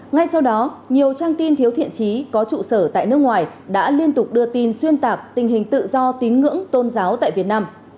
ngay sau đó nhiều trang tin thiếu thiện trí có trụ sở tại nước ngoài đã liên tục đưa tin xuyên tạc tình hình tự do tín ngưỡng tôn giáo tại việt nam